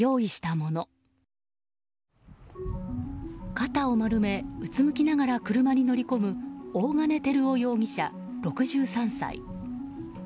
肩を丸めうつむきながら車に乗り込む大金照男容疑者、６３歳。